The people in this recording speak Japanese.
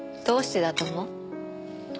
どうしてだと思う？